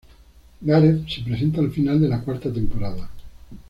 Gareth se presenta al final de la cuarta temporada.